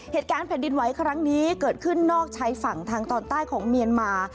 เหตุการณ์แผ่นดินไหวครั้งนี้เกิดขึ้นนอกชายฝั่งทางตอนใต้ของเมียนมา